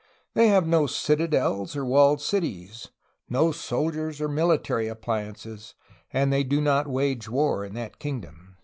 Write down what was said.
"They have no citadels or walled cities ... no soldiers or military appliances, and they do not wage war in that kingdom."